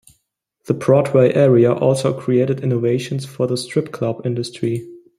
The Broadway area also created innovations for the strip club industry.